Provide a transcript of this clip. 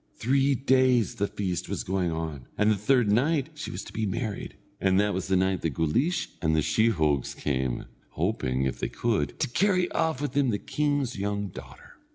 Three days the feast was going on, and the third night she was to be married, and that was the night that Guleesh and the sheehogues came, hoping, if they could, to carry off with them the king's young daughter.